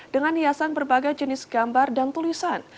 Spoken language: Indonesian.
dengan hiasan berbagai jenis gambar dan tulisan